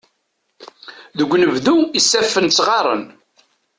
Deg unebdu isaffen ttɣaren.